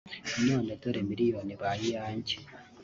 none dore miliyoni ibaye iyanjye